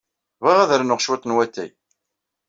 Bɣiɣ ad rnuɣ cwiṭ n watay.